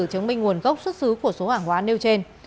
chứng minh nguồn gốc xuất xứ của số hàng hóa nêu trên